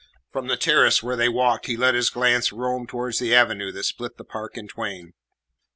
From the terrace where they walked he let his glance roam towards the avenue that split the park in twain.